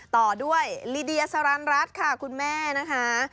ต่อด้วยลิเดียสารันรัฐค่ะคุณแม่นะคะ